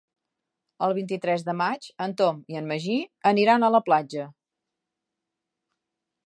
El vint-i-tres de maig en Tom i en Magí aniran a la platja.